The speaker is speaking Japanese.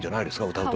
歌うとき。